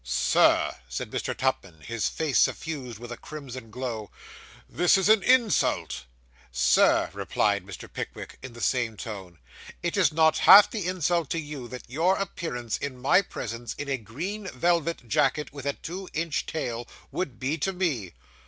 'Sir,' said Mr. Tupman, his face suffused with a crimson glow, 'this is an insult.' 'Sir,' replied Mr. Pickwick, in the same tone, 'it is not half the insult to you, that your appearance in my presence in a green velvet jacket, with a two inch tail, would be to me.